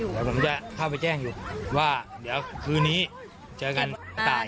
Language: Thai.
เดี๋ยวผมจะเข้าไปแจ้งอยู่ว่าเดี๋ยวคืนนี้เจอกันต่าง